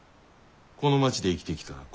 この町で生きてきた。